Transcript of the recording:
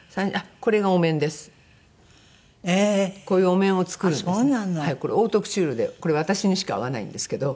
これオートクチュールで私にしか合わないんですけど。